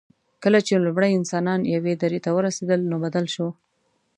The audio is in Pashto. کله چې لومړي انسانان یوې درې ته ورسېدل، نو بدل شو.